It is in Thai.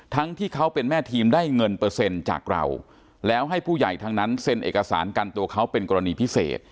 ที่เขาเป็นแม่ทีมได้เงินเปอร์เซ็นต์จากเราแล้วให้ผู้ใหญ่ทั้งนั้นเซ็นเอกสารกันตัวเขาเป็นกรณีพิเศษ